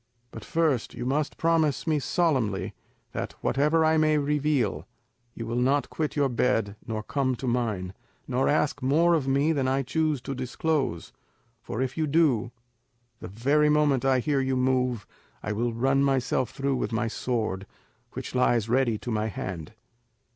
But first you must promise me solemnly, that whatever I may reveal, you will not quit your bed nor come to mine, nor ask more of me than I choose to disclose; for if you do, the very moment I hear you move I will run myself through with my sword, which lies ready to my hand."